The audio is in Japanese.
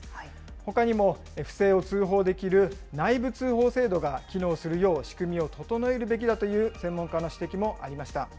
ほかにも、不正を通報できる内部通報制度が機能するよう仕組みを整えるべきだという専門家の指摘もありました。